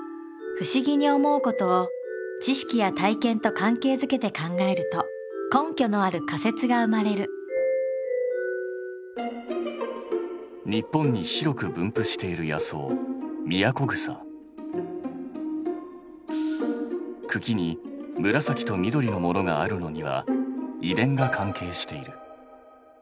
不思議に思うことを知識や体験と関係づけて考えると根拠のある仮説が生まれる日本に広く分布している野草茎に紫と緑のものがあるのには遺伝が関係している。